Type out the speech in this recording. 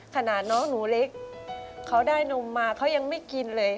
ขนาดน้องหนูเล็กเขาได้นมมาเขายังไม่กินเลย